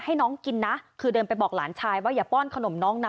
ให้น้องกินนะคือเดินไปบอกหลานชายว่าอย่าป้อนขนมน้องนะ